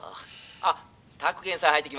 あっ沢彦さん入ってきました」。